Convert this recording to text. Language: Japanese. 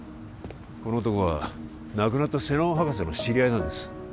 この男は亡くなった瀬能博士の知り合いなんです